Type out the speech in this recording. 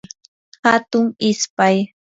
hatun ispay